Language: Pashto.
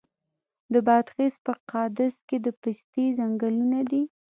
د بادغیس په قادس کې د پستې ځنګلونه دي.